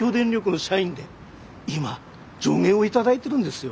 今助言を頂いてるんですよ。